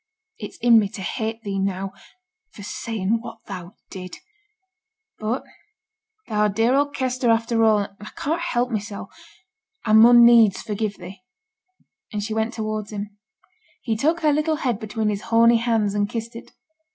'It's in me to hate thee now, for saying what thou did; but thou're dear old Kester after all, and I can't help mysel', I mun needs forgive thee,' and she went towards him. He took her little head between his horny hands and kissed it.